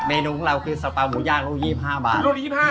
เมนูของเราก็คือซะปาหมูยากรูป๒๕บาท